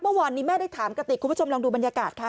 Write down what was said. เมื่อวานนี้แม่ได้ถามกระติกคุณผู้ชมลองดูบรรยากาศค่ะ